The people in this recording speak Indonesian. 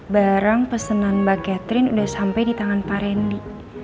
barang pesanan mbak catherine udah sampai di tangan pak randy